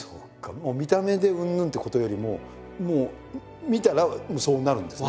もう見た目でうんぬんってことよりももう見たらそうなるんですね。